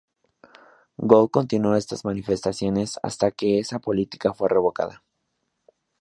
Gould continuó estas manifestaciones hasta que esa política fue revocada.